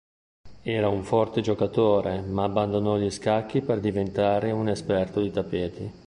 Era un forte giocatore ma abbandonò gli scacchi per diventare un esperto di tappeti.